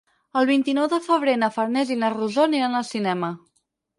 El vint-i-nou de febrer na Farners i na Rosó aniran al cinema.